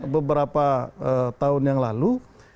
beberapa tahun yang lalu